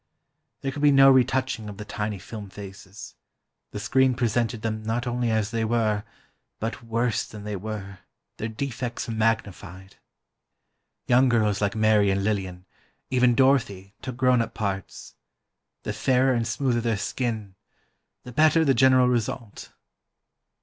There could be no retouching of the tiny film faces—the screen presented them not only as they were, but worse than they were, their defects magnified. Young girls like Mary and Lillian, even Dorothy, took grown up parts:—the fairer and smoother their skin, the better the general result.